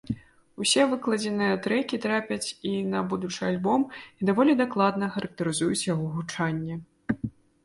Усе выкладзеныя трэкі трапяць і на будучы альбом і даволі дакладна характарызуюць яго гучанне.